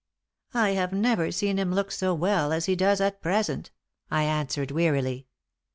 "I have never seen him look so well as he does at present," I answered, wearily.